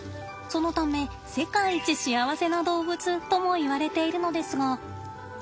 そのため「世界一幸せな動物」ともいわれているのですが。